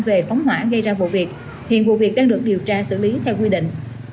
về phóng hỏa gây ra vụ việc hiện vụ việc đang được điều tra xử lý theo quy định